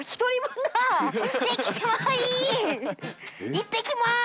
いってきます！